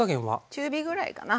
中火ぐらいかな。